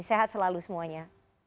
sehat selalu semuanya